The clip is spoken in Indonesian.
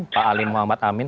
pak alim muhammad amin